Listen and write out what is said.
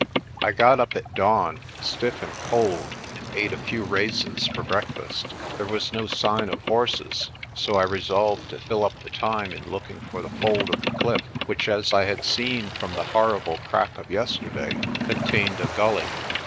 I got up at dawn stiff and cold, and ate a few raisins for breakfast. There was no sign of horses, so I resolved to fill up the time in looking for the fold of the cliff, which, as I had seen from the horrible crack of yesterday, contained a gully.